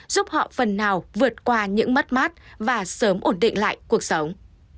giúp họ phần nào vượt qua những mất mát và sớm ổn định lại cuộc sống